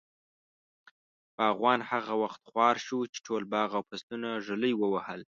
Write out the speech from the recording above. باغوان هغه وخت خوار شو، چې ټول باغ او فصلونه ږلۍ ووهل.